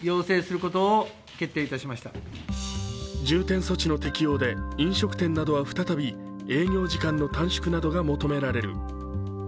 重点措置の適用で飲食店などは再び、営業時間の短縮などが求められる。